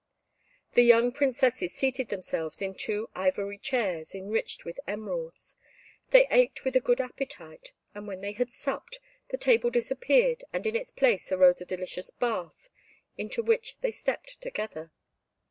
The young Princesses seated themselves in two ivory chairs, enriched with emeralds; they ate with a good appetite, and when they had supped, the table disappeared, and in its place arose a delicious bath, into which they stepped together.